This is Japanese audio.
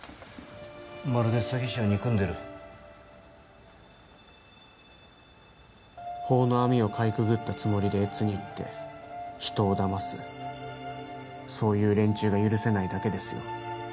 まるで詐欺師を憎んでる法の網をかいくぐったつもりで悦に入って人をだますそういう連中が許せないだけですよ